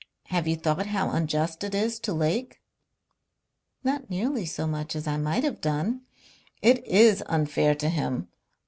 Have you thought how unjust it is to Lake?" "Not nearly so much as I might have done." "It is unfair to him.